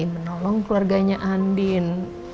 menolong keluarganya andin